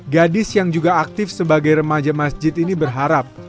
gadis yang juga aktif sebagai remaja masjid ini berharap